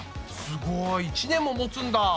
すごい１年ももつんだ！